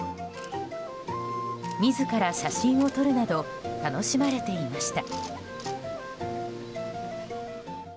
自ら写真を撮るなど楽しまれていました。